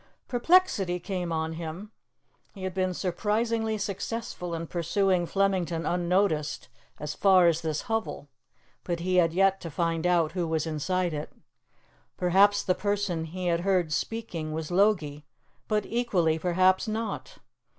Perplexity came on him. He had been surprisingly successful in pursuing Flemington unnoticed as far as this hovel, but he had yet to find out who was inside it. Perhaps the person he had heard speaking was Logie, but equally perhaps not.